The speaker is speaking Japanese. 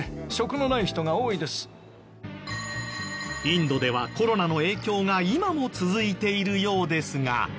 インドではコロナの影響が今も続いているようですが。